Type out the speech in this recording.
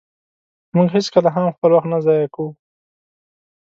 مونږ هيڅکله هم خپل وخت نه ضایع کوو.